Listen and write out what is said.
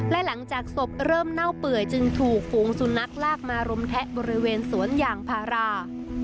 และหลังจากศพเริ่มเน่าเปื่อยจึงถูกฝูงสุนัขลากมารุมแทะบริเวณสวนยางพารา